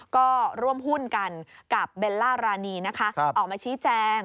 ก็ร่วมหุ้นกันกับเบลล่ารานีนะคะออกมาชี้แจง